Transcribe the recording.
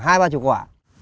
hai ba chục quả